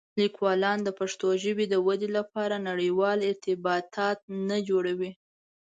لیکوالان د پښتو ژبې د ودې لپاره نړيوال ارتباطات نه جوړوي.